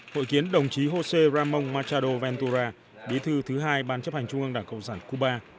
hội kiến đồng chí josé ramon machado ventura bí thư thứ hai ban chấp hành trung ương đảng cộng sản cuba